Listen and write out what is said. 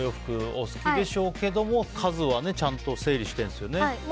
お好きでしょうけど数はちゃんと整理してるんですよね。